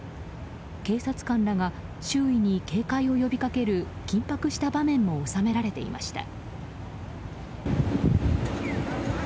警察官らが周囲に警戒を呼びかける緊迫した場面も収められていました。